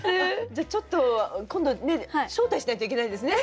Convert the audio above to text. じゃあちょっと今度ね招待しないといけないですね。